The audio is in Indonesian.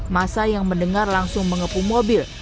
masa yang mendengar langsung mengepung mobil